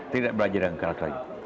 tidak belajar dengan karakter